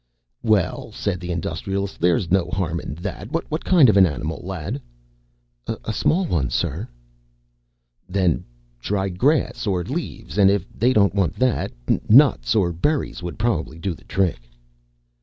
"Well," said the Industrialist, "there's no harm in that. What kind of an animal, lad?" "A small one, sir." "Then try grass or leaves, and if they don't want that, nuts or berries would probably do the trick."